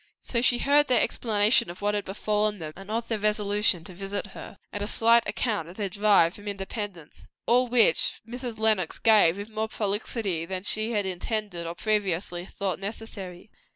So she heard their explanation of what had befallen them, and of their resolution to visit her; and a slight account of their drive from Independence; all which Mrs. Lenox gave with more prolixity than she had intended or previously thought necessary.